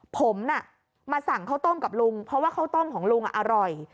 ผมมาสั่งข้าวต้มกับลุงเพราะว่าข้าวต้มของลุงอร่อย